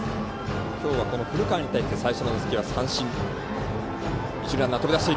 今日はこの古川に対して最初の打席は三振。